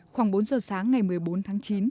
khoảng bốn giờ sáng ngày một mươi bốn tháng chín